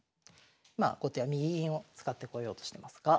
まあ後手は右銀を使ってこようとしてますが。